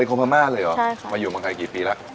คนพม่าเลยเหรอมาอยู่เมืองไทยกี่ปีแล้ว